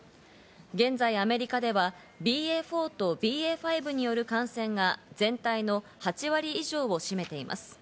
現在、アメリカではＢＡ．４とＢＡ．５による感染が全体の８割以上に占めています。